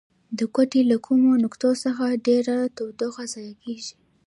د کوټې له کومو نقطو څخه ډیره تودوخه ضایع کیږي؟